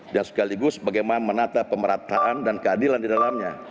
dan sekaligus bagaimana menata pemerataan dan keadilan di dalamnya